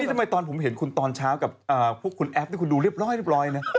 นี่ทันไหวผมเห็นคุณตอนเช้ากับพวกคุณแอฟที่คุณดูเรียบร้อย